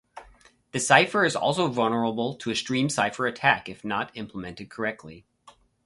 The cipher is also vulnerable to a stream cipher attack if not implemented correctly.